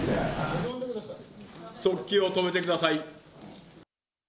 な速記を止めてください。